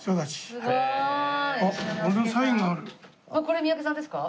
これ三宅さんですか？